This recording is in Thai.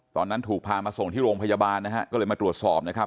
ตอนนั้นถูกพามาส่งที่โรงพยาบาลนะฮะก็เลยมาตรวจสอบนะครับ